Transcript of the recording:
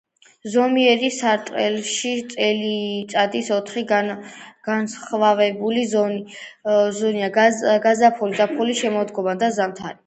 ზომიერ სარტყელში წელიწადის ოთხი განსხვავებული სეზონია:გაზაფხული, ზაფხული, შემოდგომა და ზამთარი.